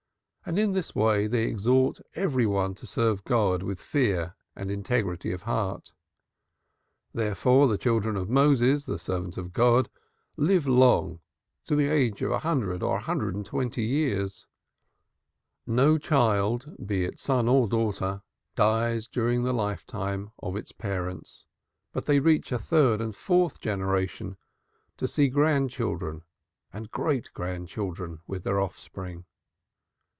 And in this way they exhort every one to serve God with fear and integrity of heart. Therefore, the children of Moses, the servant of God, live long, to the age of 100 or 120 years. No child, be it son or daughter, dies during the lifetime of its parent, but they reach a third and a fourth generation, and see grandchildren and great grandchildren with their offspring.